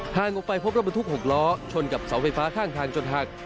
ออกไปพบรถบรรทุก๖ล้อชนกับเสาไฟฟ้าข้างทางจนหัก